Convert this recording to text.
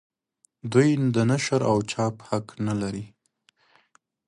دوی د نشر او چاپ حق نه لري.